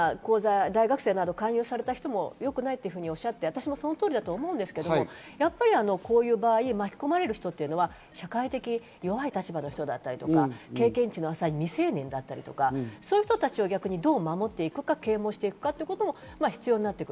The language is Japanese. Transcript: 例えば、大学生など勧誘された人も、よくないとおっしゃっていて、その通りだと思うんですけど、やっぱりこういう場合、巻き込まれる人っていうのは、社会的に弱い立場の人だったり、経験値の浅い未成年だったり、そういう人たちをどう守っていくか、啓蒙していくかが必要になる。